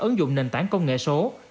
ứng dụng nền tảng công nghệ số